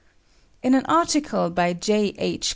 In an article by J. H.